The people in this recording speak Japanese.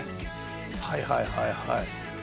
はいはいはいはい。